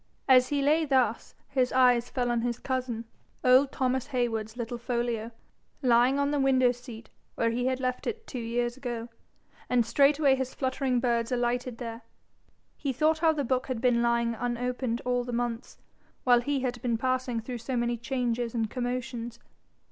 As he lay thus, his eyes fell on his cousin, old Thomas Heywood's little folio, lying on the window seat where he had left it two years ago, and straightway his fluttering birds alighting there, he thought how the book had been lying unopened all the months, while he had been passing through so many changes and commotions.